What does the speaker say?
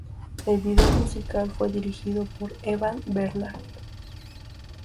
El video musical fue dirigido por Evan Bernard.